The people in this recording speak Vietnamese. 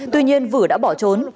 tuy nhiên vử đã bỏ trốn